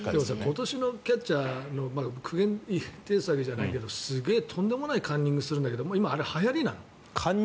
今年のキャッチャーの苦言を呈すわけじゃないけどすごい、とんでもないカンニングをするんだけどあれははやりなの？